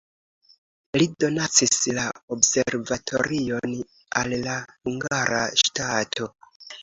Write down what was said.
Li donacis la observatorion al la hungara ŝtato.